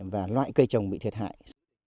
và loại cây trồng bị thiệt hại